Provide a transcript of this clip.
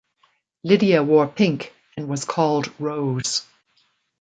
Lydia wore pink and was called Rose.